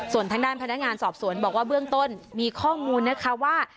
ส่วนทางด้านพนักงานสอบสวนบอกว่าเบื้องต้นมีข้อมูลนะคะว่า